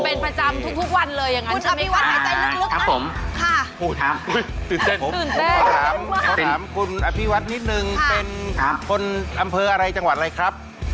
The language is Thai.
ผมถามคุณอภิวัชนิดหนึ่งเป็นคนอำเภาอะไรจังหวะอะไรครับ